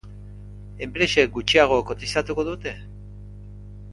Enpresek gutxiago kotizatuko dute?